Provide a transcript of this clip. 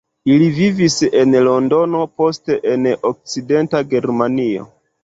Ili vivis en Londono, poste en Okcidenta Germanio.